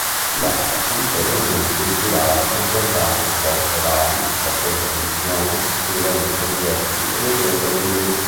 Si lascia ulteriormente ispirare frequentando scuole serali, facendo audizioni, scrivendo soggetti e leggendo libri.